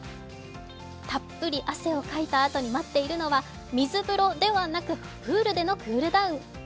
たっぷり汗をかいたあとに待っているのは水風呂ではなく、プールでのクールダウン。